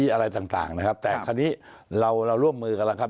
อะไรต่างนะครับแต่คราวนี้เราเราร่วมมือกันแล้วครับ